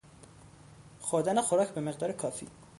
خوردن خوراک به مقدار کافی